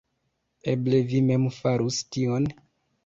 Eble vi mem farus tion?